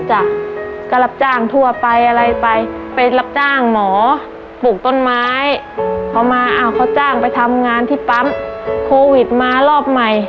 จ้ะก็รับจ้างทั่วไปอะไรไปไปรับจ้างหมอปลูกต้นไม้เขามาอ้าวเขาจ้างไปทำงานที่ปั๊มโควิดมารอบใหม่